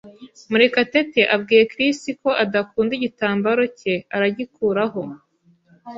Murekatete abwiye Chris ko adakunda igitambaro cye, aragikuraho.